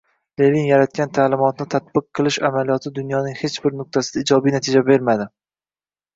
Lenin yaratgan ta’limotni tatbiq qilish amaliyoti dunyoning hech bir nuqtasida ijobiy natija bermadi.